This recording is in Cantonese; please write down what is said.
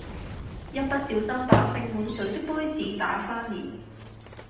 一不小心把盛滿水的杯子打翻了